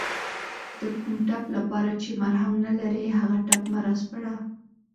د کوم ټپ لپاره چې مرهم نلرې هغه ټپ مه راسپړه